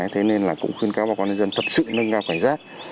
thế nên là cũng khuyên cáo bà con nhân dân thật sự nâng cao cảnh giác